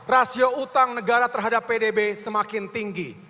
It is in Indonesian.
rasio utang negara terhadap pdb semakin tinggi